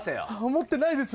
持ってないです。